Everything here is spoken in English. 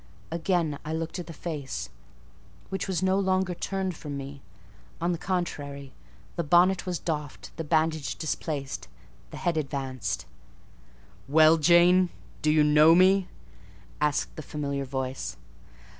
Again I looked at the face; which was no longer turned from me—on the contrary, the bonnet was doffed, the bandage displaced, the head advanced. "Well, Jane, do you know me?" asked the familiar voice.